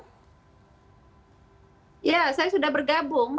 ya saya sudah bergabung apakah suara saya sedih